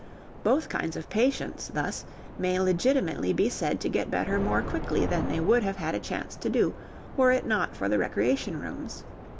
Both kinds of patients, thus, may legitimately be said to get better more quickly than they would have had a chance to do were it not for the recreation rooms.